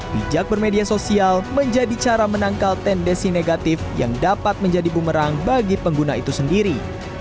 bijak bermedia sosial menjadi cara menangkal tendensi negatif yang dapat menjadi bumerang bagi pengguna itu sendiri